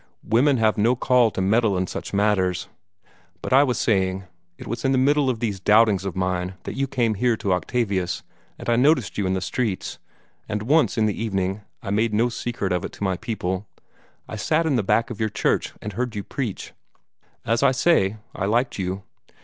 "Women have no call to meddle with such matters. But I was saying it was in the middle of these doubtings of mine that you came here to Octavius, and I noticed you on the streets, and once in the evening I made no secret of it to my people I sat in the back of your church and heard you preach. As I say, I liked you.